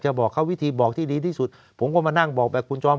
บอกเขาวิธีบอกที่ดีที่สุดผมก็มานั่งบอกแบบคุณจอม